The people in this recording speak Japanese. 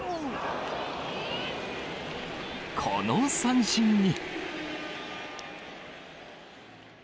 この三振に。